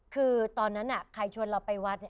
คือตอนนั้นใครชวนเราไปวัด